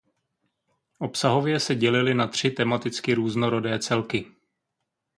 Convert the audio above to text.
Obsahově se dělily na tři tematicky různorodé celky.